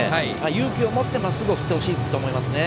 勇気を持ってまっすぐを振ってほしいと思います。